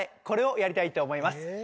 これをやりたいと思います。